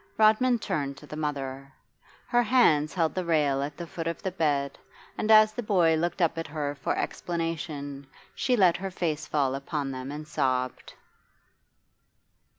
Rodman turned to the mother. Her hands held the rail at the foot of the bed, and as the boy looked up at her for explanation she let her face fall upon them and sobbed.